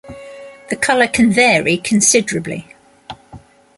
The color can vary considerably.